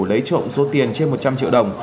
lấy trộm số tiền trên một trăm linh triệu đồng